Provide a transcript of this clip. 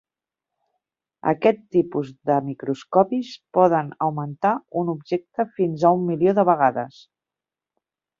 Aquest tipus de microscopis poden augmentar un objecte fins a un milió de vegades.